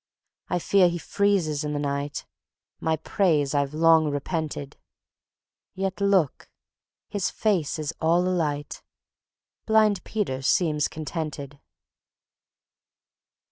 I fear he freezes in the night; My praise I've long repented, Yet look! his face is all alight ... Blind Peter seems contented.